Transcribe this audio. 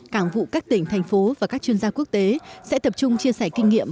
cảng vụ các tỉnh thành phố và các chuyên gia quốc tế sẽ tập trung chia sẻ kinh nghiệm